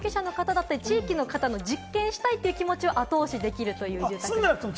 入居者の方だったり、地域の方の実験したいという気持ちを後押しできると。